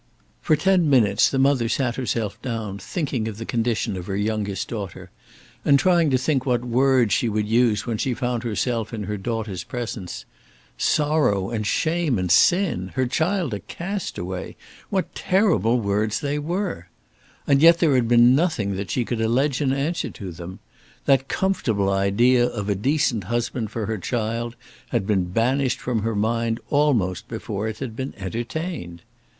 For ten minutes the mother sat herself down, thinking of the condition of her youngest daughter, and trying to think what words she would use when she found herself in her daughter's presence. Sorrow, and Shame, and Sin! Her child a castaway! What terrible words they were! And yet there had been nothing that she could allege in answer to them. That comfortable idea of a decent husband for her child had been banished from her mind almost before it had been entertained.